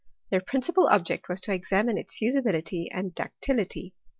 Their principle object was to examine its fusibility and duc tility.